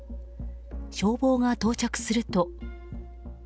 消防が到着すると。